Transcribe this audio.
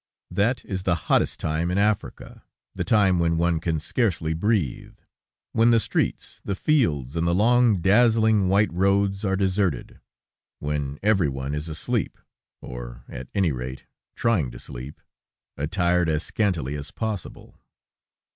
That is the hottest time in Africa, the time when one can scarcely breathe; when the streets, the fields, and the long, dazzling, white roads are deserted, when everyone is asleep, or at any rate, trying to sleep, attired as scantily as possible.